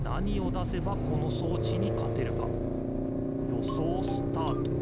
よそうスタート。